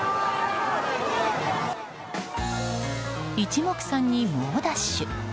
一目散に猛ダッシュ。